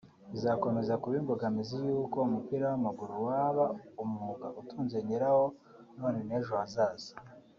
bizakomeza kuba imbogamizi y’uko umupira w’amaguru waba umwuga utunze nyira wo none n’ejo hazaza